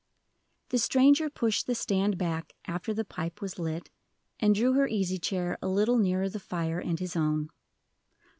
The stranger pushed the stand back after the pipe was lit, and drew her easy chair a little nearer the fire, and his own.